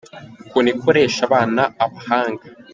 ukuntu ikoresha abana Abahanga.